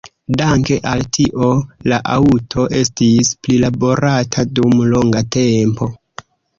Danke al tio la aŭto estis prilaborata dum longa tempo.